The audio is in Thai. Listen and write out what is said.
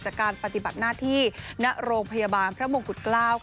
จากการปฏิบัติหน้าที่ณโรงพยาบาลพระมงกุฎเกล้า